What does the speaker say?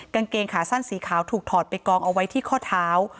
กางเกงขาสั้นสีขาวถูกถอดไปกองเอาไว้ที่ข้อเท้า